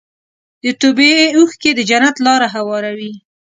د توبې اوښکې د جنت لاره هواروي.